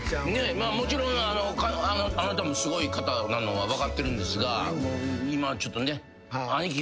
もちろんあなたもすごい方なのは分かってるんですが今ちょっとね。